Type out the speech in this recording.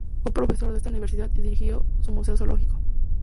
Fue profesor de esta universidad y dirigió su museo zoológico.